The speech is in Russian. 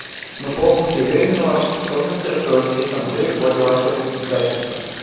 Мы полностью уверены в Вашей способности руководить Ассамблеей в ходе Вашего председательства.